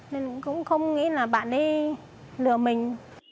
nên cũng không nghĩ là bạn ấy lừa mình